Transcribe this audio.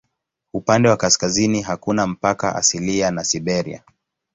Upande wa kaskazini hakuna mpaka asilia na Siberia.